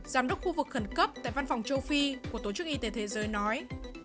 giám đốc khu vực khẩn cấp tại văn phòng châu phi của tổ chức y tế thế giới nói